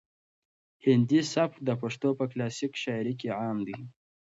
هندي سبک د پښتو په کلاسیک شاعري کې عام دی.